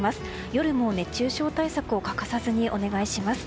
夜も熱中症対策を欠かさずにお願いします。